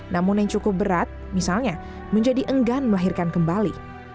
namun yang cukup berat misalnya menjadi enggan melahirkan kembali